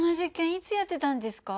いつやってたんですか？